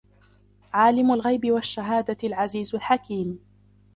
عَالِمُ الْغَيْبِ وَالشَّهَادَةِ الْعَزِيزُ الْحَكِيمُ